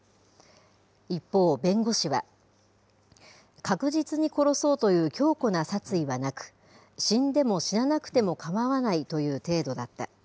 一方、弁護士は、確実に殺そうという強固な殺意はなく、死んでも死ななくてもかまわないという程度だった。